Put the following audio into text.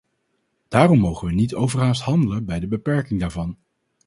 Daarom mogen wij niet overhaast handelen bij de beperking daarvan.